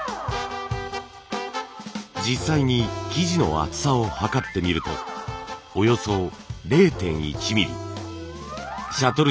実際に生地の厚さを測ってみるとおよそ０．１ミリシャトル